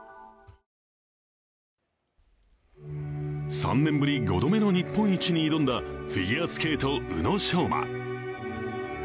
３年ぶり５度目の日本一に挑んだフィギュアスケート、宇野昌磨。